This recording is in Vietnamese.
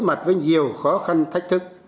với mặt với nhiều khó khăn thách thức